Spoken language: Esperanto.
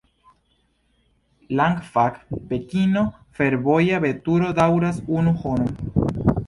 Langfang-Pekino fervoja veturo daŭras unu horon.